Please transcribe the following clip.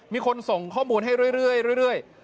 มีคนส่งข้อมูลให้เรื่อย